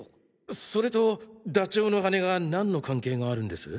それとダチョウの羽根が何の関係があるんです？